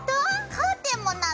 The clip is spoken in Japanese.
カーテンもなの？